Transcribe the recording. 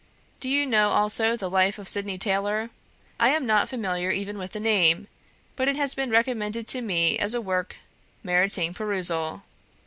Do you know also the 'Life of Sydney Taylor?' I am not familiar even with the name, but it has been recommended to me as a work meriting perusal.